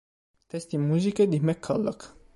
Testi e musiche di McCulloch.